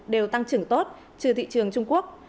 đều tăng trưởng tốt trừ thị trường trung quốc